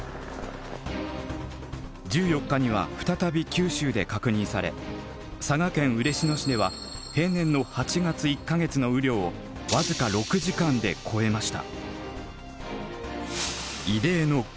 １４日には再び九州で確認され佐賀県嬉野市では平年の８月１か月の雨量を僅か６時間で超えました。